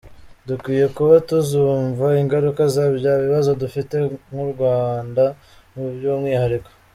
Dukwiye kuba tuzumva, ingaruka za bya bibazo dufite nk’u Rwanda by’umwihariko.